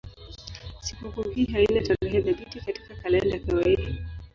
Sikukuu hii haina tarehe thabiti katika kalenda ya kawaida.